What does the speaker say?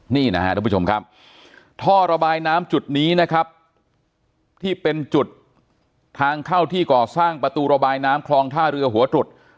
นี่นะครับทุกผู้ชมครับท่อระบายน้ำจุดนี้นะครับที่เป็นจุดทางเข้าที่ก่อสร้างประตูระบายน้ำคลองท่าเรือหัวตรุษ